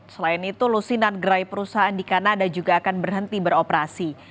selain itu lusinan gerai perusahaan di kanada juga akan berhenti beroperasi